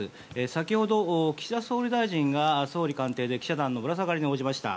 先ほど、岸田総理大臣が総理官邸で記者団のぶら下がりに応じました。